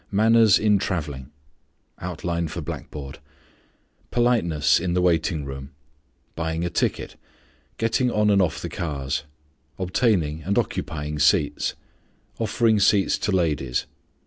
MANNERS IN TRAVELLING. Politeness in the waiting room. Buying a ticket. Getting on and off the cars. Obtaining and occupying seats. _Offering seats to ladies.